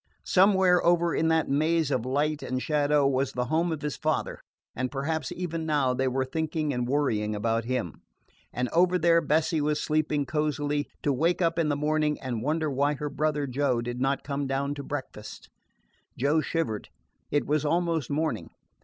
Somewhere over in that maze of light and shadow was the home of his father, and perhaps even now they were thinking and worrying about him; and over there Bessie was sleeping cozily, to wake up in the morning and wonder why her brother Joe did not come down to breakfast. Joe shivered. It was almost morning.